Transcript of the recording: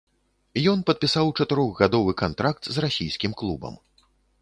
Ён падпісаў чатырохгадовы кантракт з расійскім клубам.